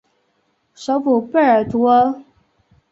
首府贝尔图阿。